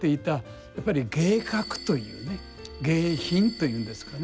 やっぱり「芸格」というね「芸品」というんですかね